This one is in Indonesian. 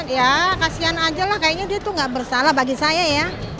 ya kasian aja lah kayaknya dia tuh gak bersalah bagi saya ya